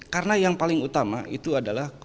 karena yang paling utama itu adalah